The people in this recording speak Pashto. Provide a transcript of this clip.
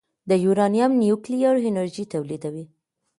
د یورانیم نیوکلیري انرژي تولیدوي.